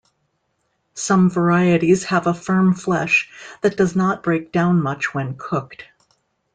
Some varieties have a firm flesh that does not break down much when cooked.